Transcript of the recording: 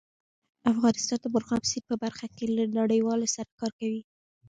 افغانستان د مورغاب سیند په برخه کې له نړیوالو سره کار کوي.